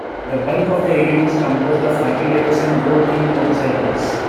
The bulk of the unit is composed of Harley-Davidson Road King motorcycles.